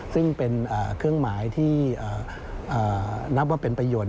ซึ่งเป็นเครื่องหมายที่นับว่าเป็นประโยชน